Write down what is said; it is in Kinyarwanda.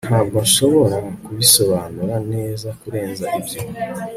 Ntabwo nshobora kubisobanura neza kurenza ibyo